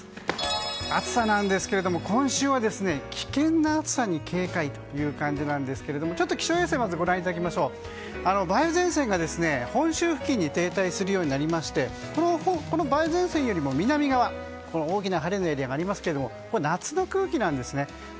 暑さなんですが今週は危険な暑さに警戒という感じなんですが気象衛星をご覧いただくと梅雨前線が本州付近に停滞するようになりましてこの梅雨前線よりも南側、大きな晴れのエリアがありますがこれは夏の空気なんですね。